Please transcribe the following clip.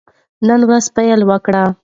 نن ورځ پیل وکړئ.